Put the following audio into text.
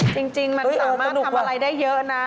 จริงมันสามารถทำอะไรได้เยอะนะ